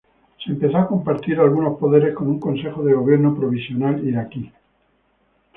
Se empezó a compartir algunos poderes con un consejo de gobierno provisional iraquí.